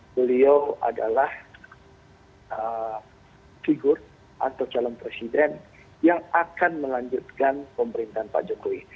beliau adalah figur atau calon presiden yang akan melanjutkan pemerintahan pak jokowi